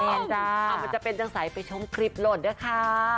มันจะเป็นจังใสไปชมคลิปโหลดด้วยค่ะ